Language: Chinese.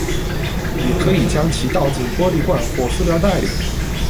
也可以将其倒进玻璃罐或塑料袋里。